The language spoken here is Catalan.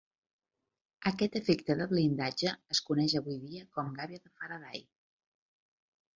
Aquest efecte de blindatge es coneix avui dia com gàbia de Faraday.